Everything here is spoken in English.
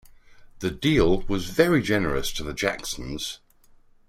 The deal was very generous to the Jacksons.